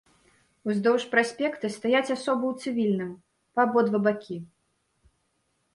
Уздоўж праспекта стаяць асобы ў цывільным, па абодва бакі.